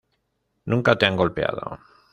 Nunca te han golpeado.